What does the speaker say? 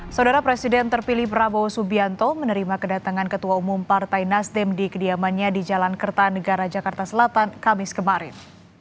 saudara presiden terpilih prabowo subianto menerima kedatangan ketua umum partai nasdem di kediamannya di jalan kertanegara jakarta selatan kamis kemarin